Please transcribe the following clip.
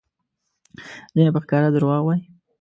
ځینې په ښکاره دروغ وایي؛